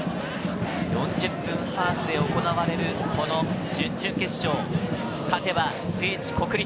４０分ハーフで行われる、この準々決勝勝てば、聖地・国立。